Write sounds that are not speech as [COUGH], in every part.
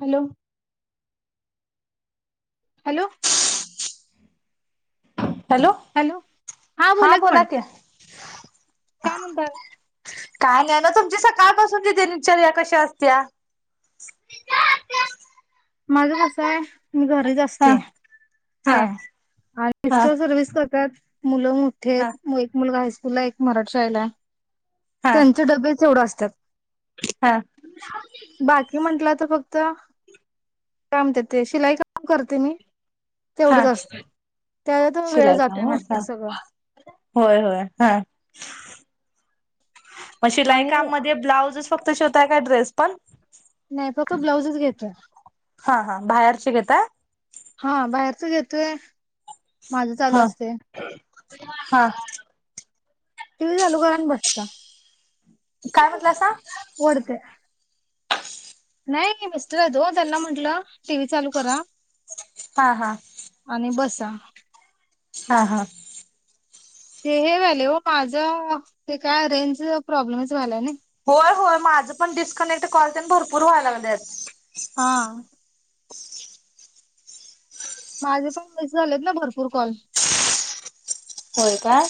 Hello hello hello हा बोला की. काय म्हणता काय नाही ना तुमची सकाळपासून त दिनचर्या कशी असत्या. [UNINTELLIGIBLE] माझ कस आहे मी घरीच ह असते. हा काय आणि हा मिस्टर सर्विस करतात. मुल मोठीे आहेत. हा एक मुलगा हायस्कूलला एक मराठी शाळेला आहे. हा त्यांचे डबे तेवढ असतात. हा बाकी म्हटल तर फक्त काय म्हणत्यात ते शिलाई काम करते मी. हा तेवढंच असते त्यात वेळ शिलाई जातोय काम व्हय. माझा हा सगळं होय होय ह‌ म शिलाई आणि काममध्ये ब्लावूझ फक्त शिवताय का ड्रेस पण. नाही फक्त ब्लाउजच घेतोय हा हा बाहेरचे घेता. हा बाहेरच घेतोय माझं चालू हा असतय हा टी व्ही चालू करत्या आणि बसत्या काय म्हणलासा वढते नाही मिस्टर हाइत ओ त्यांना म्हंटलं टीव्ही चालू करा हा हा आणि बसा हा हा ते हे व्हायलय ओ माझं ते काय रेंज प्रॉब्लेमच व्हायलाय नै होय होय माझं पण डिसकनेक्ट कॉल तेन भरपूर व्हायला लागल्यात हा माझे पण तसेच झालेत ना भरपूर कॉल होय काय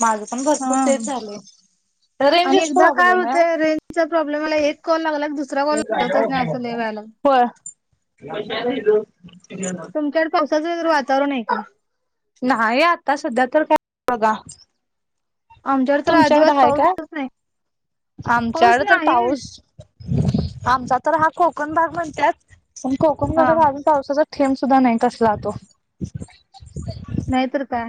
माझं पण हा. भरपुर तेच झालय रेंजच प्रॉब्लेम हाय ओ जचा प्रॉब्लम आलाय एक कॉल लागला की दुसरा कॉल लागतच नाही अस लई व्हायलय होय तुमच्याकड पावसाच वगैरे वातावरण हाय काय नाही आता सध्या तर काय बघा आमच्याकडे तर तुमच्याकड अजिबात हाय काय पाऊसच नाही पाऊस आमच्याकड तर पाऊस नाहीच. आमचा तर हा कोकण भाग म्हणत्यात पण कोकण हा. भागाला आजुन पावसाचा थेंब सुद्धा नाही कसला तो नाहीतर काय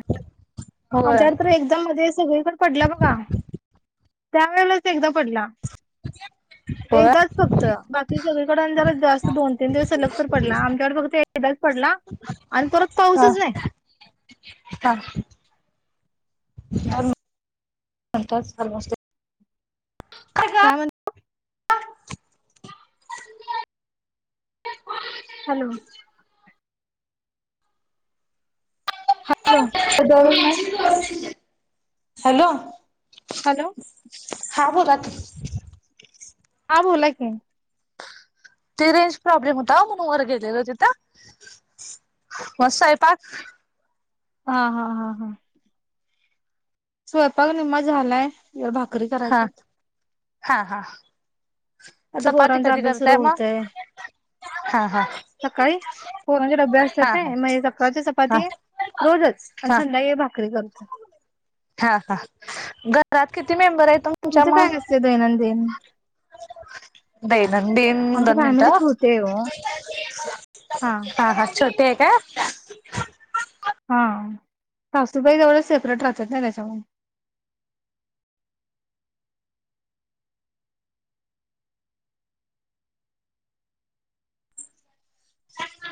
होय आमच्याकड तर एकदा मध्ये सगळीकड पडला बघा त्या वेळेलाच एकदा पडला. होय एकदाच फक च बाकी सगळीकड जरा जास्त दोन - तीन दिवस सलग तर पडला आमच्याकड फक्त एकदाच पडला आणि परत हा पाऊसच नाही हा. [UNINTELLIGIBLE] काय म्हण हॅलो हॅलो हॅलो हॅलो हा बोला की हा बोला की ते रेंज प्रॉब्लेम होता ओ म्हणून वर गेलेलो तिथं म स्वयपाक हा हा हा हा स्वयपाक निम्मा झालाय जरा भाकरी करायच. हा हा हा आता चपाती पोरांचा कधी अभ्यास सुरू करताय मग होतय हा हा सकाळी पोरांचे डबे असतात हा नै हा म एक सकाळची हा चपाती रोजच आणि हा संध्याकळी भाकरी करतोय. हा हा घरात किती मेंबर आहेत तुम तुमचं काय असतय दैनंदिन? दैनंदिन आमची दोन मिनिट फॅमिली हं छोटी आहे ओ हा हा छोटि हाय काय हा सासुबाई तेवढं सेपरेट राहतात नै त्याच्यामुळ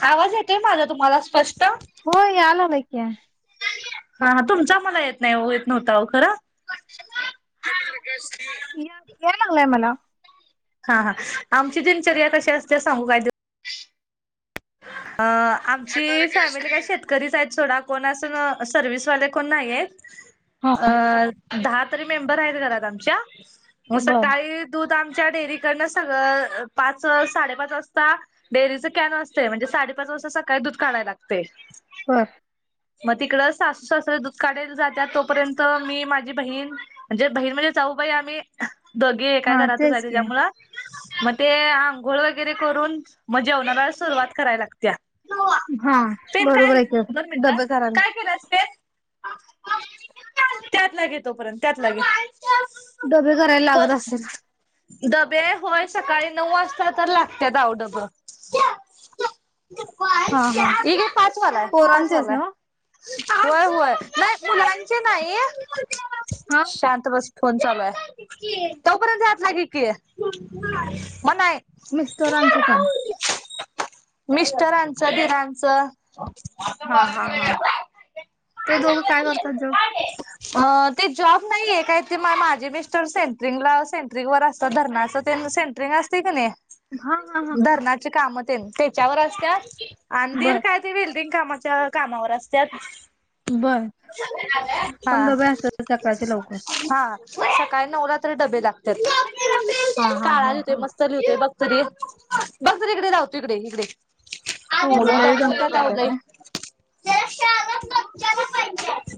आवाज येतोय माझा तुम्हाला स्पष्ट? होय यालालाय की हा हा तुमचा मला येत नाही ओ येत नव्हता ओ खरं. या याय लागलंय मला. हा हा आमची दिनचर्या कशी असते सगू काय आमची फॅमिली काय शेतकरीच आहेत सोडा कोण अस सर्विसवाले कोण नाहीयेत. हा अ दहा तरी मेंबर आहेत घरात आमच्या मग बर सकाळी दूध आमच्या डेअरीकडन सगळं पाच साडे पाच वाजता डेअरीच कॅन असतय म्हणजे साडेपाच वाजता सकाळी दूध काढायला लागतय. होय मग तिकडं सासू सासरे दूध काढला जातात तोपर्यंत मी माझी बहीण म्हणजे बहीण म्हणजे जाऊबाई आम्ही दोघी एका हा घरातचय तेच की तेज्यामुळ म ते आंघोळ वगैरे करून मग जेवणाला सुरुवात करायला लागत्या. हा पेन बरोबर काय आहे की दोन मिनिटं हं डबे करायला काय केलंस पेन? त्यातला घे तोपर्यंत त्यातला घे डबे करायला हो लागत असतील? डबे होय सकाळी नऊ वाजता तर लागत्यात अवं डबं. हा हा हे घे पाचवालाय पोरांचेच पाचवालाय ना होय होय नाही मुलांचे नाही, हा शांत बस फोन चालूय तोपर्यंत ह्यातला घे की म नाही मिस्टरांचं पण मिस्टरांचं दिरांचं हा हा हा ते दोघं काय करतात जॉब [UNINTELLIGIBLE] ते जॉब नाहीये काय ते माझे मिस्टर सेंट्रिंगला सेंट्रिंग वर असतात धरणाच तेन सेन ट्रिंग असतय का नई? हा हा हा धरणाची काम तेन त्याच्यावर असत्यात अन दिर बर काय वेल्डिंग कामाच्या कामावर असत्यात. बर पण हा डबे असतात सकाळचे लवकर हा सकाळी नऊला तरी डबे लागत्यात हा हा काळा हा देतोय हा मस्त बघ तरी बघ तरी इकडे लावतो इकडे इकडे पोरं मुलं लई दंगा दमवत्यात आओ करतात लय. ना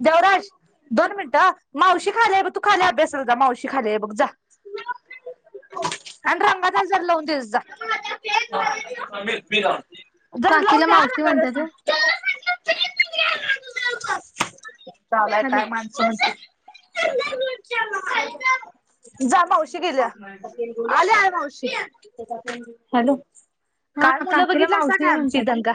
देवराज दोन मिनटं अं मावशी खाली आहे बघ तू, खाली अभ्यासला जा मावशी खाली आहे बघ जा. आणि रंगाचा जर लावून दे जा. लावून काकीला द्या मावशी ना गरज म्हणत्यात वय? चालाय हॅलो काय माणसून जा मावशी गेल्या आल्याय मावशी हॅलो हा काय मुलं काकीला बघितल्यासा मावशी काय आमची म्हणतात दंगा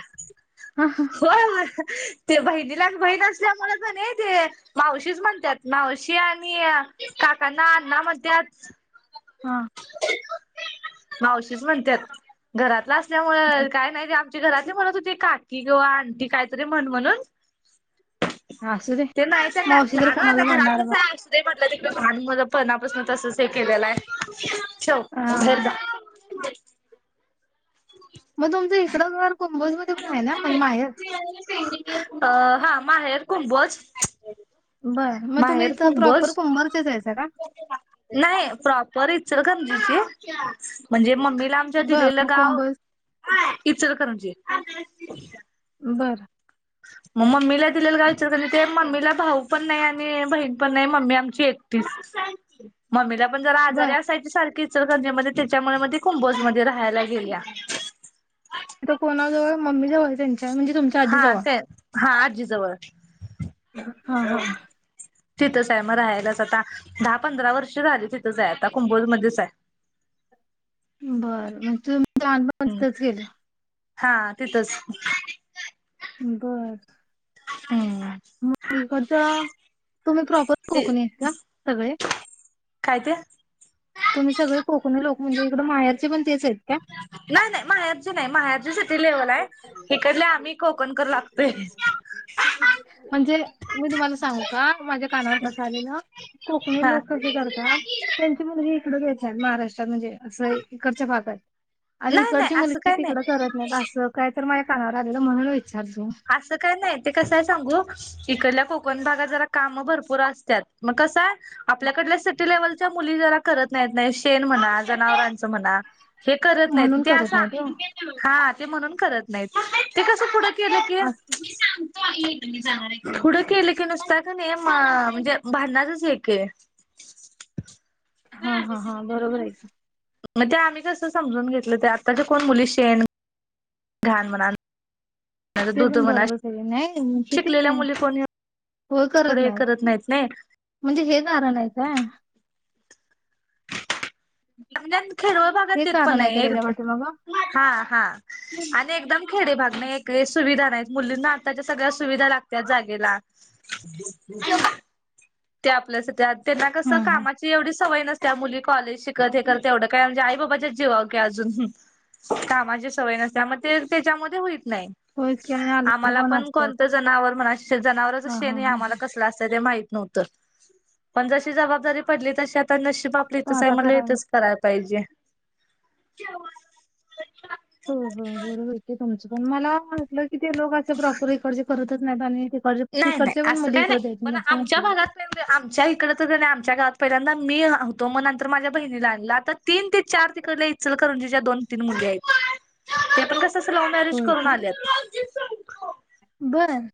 हा हा होय होय बहिणीलाच बहीण असल्यामुळे का नई ते मावशीच म्हणत्यात मावशी आणि काकाना अण्णा म्हणत्यात. हा मावशीच म्हणत्यात घरातल नाही असल्यामुळ काय नाही घरातली म्हणत होती काकी किंवा आंटी काहीतरी म्हण म्हणून. असू दे ते नाही त्यांना मावशी तर ना ना आता कोणाला म्हणणार घरातलंच बघ हाय असू ते म्हटलं लहानपणापासून तसच हे केलेलं आहेे ठेव बाहेर जा. [INAUDIBLE] मग तुमचं इतरं घर कुंभोज मध्ये पण आहे ना म्हणजे माहेर? [INAUDIBLE] अ हा माहेर कुंभोज बर मग तुम्ही माहेर इथं कुंभोज प्रॉपर कुंभारचेच आहेसा का नाही प्रॉपर इचलकरंजीची म्हणजे मम्मीला आमच्या बर मग दिलेलं गाव कुंभज इचलकरंजी. बरं मग मम्मीला दिलेलं काय विचार त्यानी ते मम्मीला भाऊ पण नाही आणि बहीण पण नाही मम्मी आमची एक टिच [INAUDIBLE] मम्मीला पण जरा आजारी बर असायची सारखी इंचलकरजी मध्ये त्याच्यामुळे मग ती कुंभोजमध्ये राहायला गेल्या. तिथ कोणा जवळ मम्मी जवळ त्यांच्या म्हणजे तुम्ह हा ते हा आजीजवळ हा हं तिथंच आहे मग राहायलाच आता दहा पंधरा वर्ष झाली तिथंच आहे आता, कुंभोजमध्येच आहे. बरं म्हणजे तुम्ही लहानपण हम् तिथंच गेलं हा तिथच बर हम् ममीकडच तुम्ही प्रॉपर ते कोकणी आहे का सगळे काय ते तुम्ही सगळे कोकणी लोक म्हणजे इकड मायारचे पण तेच आहेत का नाही नाही माहेरची नाही माहेरची सिटी लेव्हल आहे इकडले आम्ही कोकणकर लागतोय म्हणजे मी तुम्हाला सांगू का माझ्या कानावर कसं आलेलं कोकणी हा. लोक कसे करतात त्यांची मुलगी इकड देत्यात महाराष्ट्रात म्हणजे असं इकडच्या भागात आणि नाही नाही इकडची असं मुलगी काय नाही. तिकडं करत नाहीत असं काय तर माझ्या कानावर आलेलं म्हणून विचारलो असं काय नाही ते कसं आहे सांगू इकडल्या कोकण भागात जरा काम भरपूर असत्यात मग कस आहे आपल्याकडल्या सिटी लेव्हलच्या मुली जरा करत नाहीत नाही शेण म्हणा जनावरांच म्हणा हे करत नाहीत म्हणून ते करत असं नाहीत ओ हा ते म्हणून करत नाहीत ते कस पुढ केल कि असं पूढ केलं की नुसत कने म्हणजे भांडणाचच हे कि हा हा हा बरोबर आहे कि मग ते आम्ही कसं समजून घेतलं ते आत्ताच्या कोण मुली शेन घाण म्हणा ते दुध पण म्हणा बरोबरच आहे नाही किती शिकलेल्या मुली कोणी येवढ हे करत नाहीत ने म्हणजे हे कारण आहे काय म्हणजे खेडवळ भागात हे देत पण कारण आहे नाही का त्याच्या एक पाठीमागं हा हा आणि एकदम खेडे भागणे एक एक सुविधा नाहीत मुलींना आताच्या सगळ्या सुविधा लागतात त्या जागेला ते आपल्यासाठी त्यांना हा कसं हा कामाची एवढी स सवय नसत्या मुली कॉलेज शिकत हे करत तेवढं काय म्हणजे आई बाबाच्या जीवावर कि अजून कामाची सवय नसत्या मग ते त्याच्यामध्ये होईत नाही होयच की आणि आलड आम्हाला पण असतात कोणतं जनावर म्हणा जनावरच हा शेण हा हे हा आम्हाला हा कसल असतय ते माहित नव्हत पण जशी जबाबदारी पडली तशी आता नशीब आपल पण इथच आहे आता म्हणल करावं इतच कराय पाहिजे. हो हो बरोबर आहे कि तुमचं पण मला वाटलं की ते लोक असे प्रॉपर इकडचे करतच नाहीत आणि तिकडचे नाही नाही तिकडचे पण असं मुली काही नाही इकडे येत पण नाहीत असं आमच्या वाटलं भागात नाही म्हणजे आमच्या इकड आमच्या गावात पहिल्यांदा मी होतो मग नंतर माझ्या बहिणीला आणला आता तीन ते चार तिकडले इंचलकरजी ज्या दोन तीन मुली आहेत ते पण कस अस लव्ह मॅरेज होय करून आल्यात बर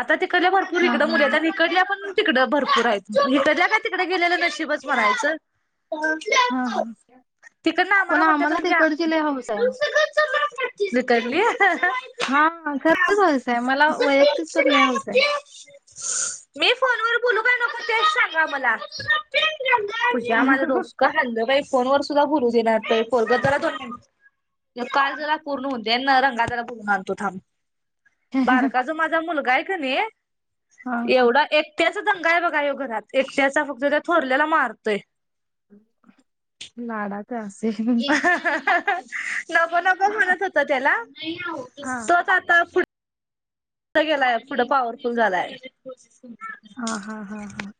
आता तिकडल्या भरपूर हा इकडं हा मुली येतात इकडल्या पण तिकडं भरपूर आहेत हिकडल्या काय तिकड गेलेलं नशिबच म्हणायचं हा हा हा तिकडन पण आम्हाला म्हणतायच तिकडची म्हणजे लय हौस आहे. इकडली हा सर्वच हयसंय मला वैयक्तिक तर लिहावच आहे मी फोन व बोलू का नको तेच सांगा मला तझ्या मला डोसकं खाल्लं बाही फोन वर सुद्धा भुरू देणार कोलग जरा काल जरा पूर्ण होते ना रंगा जरा पूर्ण आणतो थांब बारका जो माझा मुलगा आहे क हा नाई हा एवढा एक तेच दंगा आहे बघा यो घरात, एकट्याचा फक्त त्या थोरल्याला मारतोय. लाडा तर अस असे नको नक हा म्हणत होत त्याला तोच आता गेलाय पुढं पॉवरफुल झालाय ह हा हा हा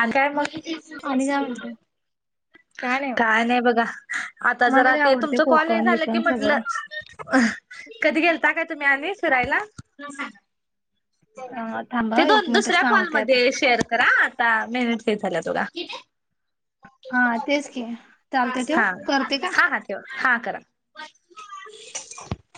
आणी काय मग. आणि काय म्हणते काय नाही बगा. आता मला जरा लय ते आवडते तुमचं कॉल हे कोकण झालं की बिकण सगळं. मदलच अ. कधी गेलता काय तुम्ही आणि सुरायला. अ ते थांबा एक दोन मिनिट दुसऱ्या सांगते आता कॉलमध्ये शेअर करा, आता मेहन हे झाल्या दोघा. हा तेच की चालतंय ठेवू हा. करते काय? हा हा ठेवा. हा करा. [INAUDIBLE]